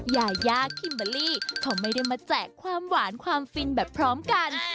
ยายาคิมเบอร์รี่เขาไม่ได้มาแจกความหวานความฟินแบบพร้อมกัน